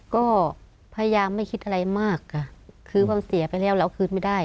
ก็พยายามไม่คิดอะไรมากค่ะคือพอเสียไปแล้วเราคืนไม่ได้